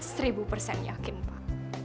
seribu persen yakin pak